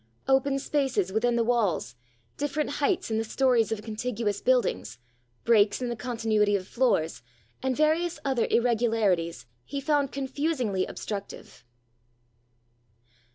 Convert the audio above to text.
Open spaces within the walls, different heights in the stories of contiguous buildings, breaks in the continuity of floors, and various other irregularities, he found confusingly obstructive.